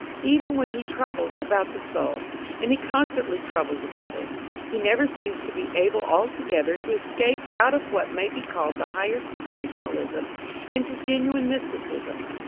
Even when he troubles about the soul and he constantly troubles about it he never seems to be able altogether to escape out of what may be called the higher sensationalism into genuine mysticism.